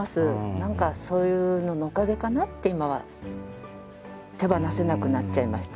何かそういうののおかげかなって今は手放せなくなっちゃいました。